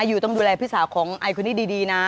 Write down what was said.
ยูต้องดูแลพี่สาวของไอคนนี้ดีนะ